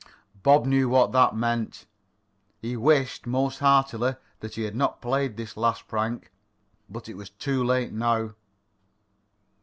Bob knew what that meant. He wished, most heartily, that he had not played this last prank. But it was too late now.